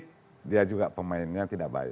dia wasit dia juga pemainnya tidak baik